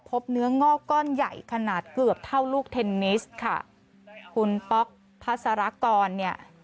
พบเนื้องอกก้อนใหญ่ขนาดเกือบเท่าลูกเทนนิสค่ะคุณป๊อกพัสรากรเนี่ย